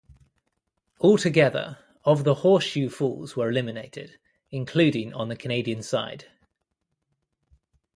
Altogether, of the Horseshoe Falls were eliminated, including on the Canadian side.